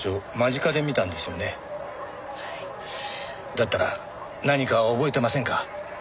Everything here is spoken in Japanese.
だったら何か覚えてませんか？